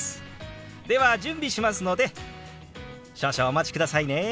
では準備しますので少々お待ちくださいね。